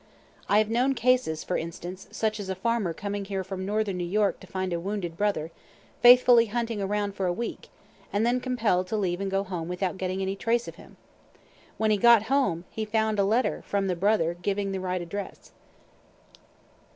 I have known cases, for instance such as a farmer coming here from northern New York to find a wounded brother, faithfully hunting round for a week, and then compell'd to leave and go home without getting any trace of him. When he got home he found a letter from the brother giving the right address.